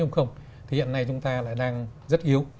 thì hiện nay chúng ta lại đang rất yếu